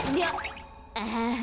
アハハ。